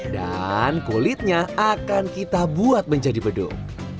dan kulitnya akan kita buat menjadi bedung